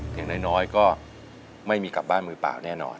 อย่างน้อยก็ไม่มีกลับบ้านมือเปล่าแน่นอน